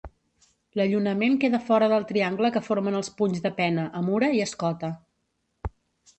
L'allunament queda fora del triangle que formen els punys de pena, amura i escota.